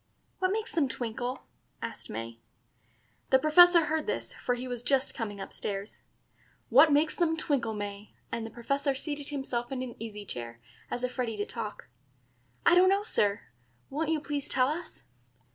"What makes them twinkle?" asked May. The Professor heard this, for he was just coming up stairs. "What makes them twinkle, May?" and the Professor seated himself in an easy chair, as if ready to talk. "I don't know, Sir. Won't you please tell us?"